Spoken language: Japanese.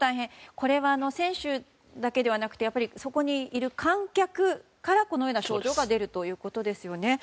これは、選手だけではなくてそこにいる観客からこのような症状が出るということですよね。